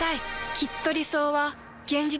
きっと理想は現実になる。